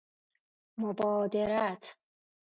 مبادرت